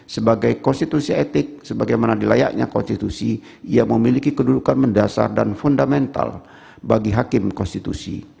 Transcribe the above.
sebagai konstitusi etik sebagaimana dilayaknya konstitusi yang memiliki kedudukan mendasar dan fundamental bagi hakim konstitusi